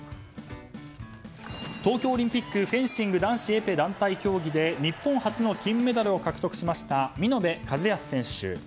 東京オリンピックフェンシング男子エペ団体競技で日本初の金メダルを獲得しました見延和靖選手。